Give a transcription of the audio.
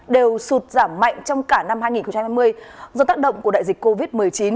đều sụt giảm mạnh trong cả năm hai nghìn hai mươi do tác động của đại dịch covid một mươi chín